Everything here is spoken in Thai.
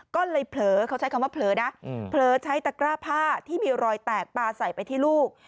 ก็เลยเผลอเขาใช้คำว่าเผลอนะเผลอใช้ตะกร้าผ้าที่มีรอยแตกปลาใส่ไปที่ลูก